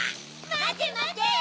まてまて！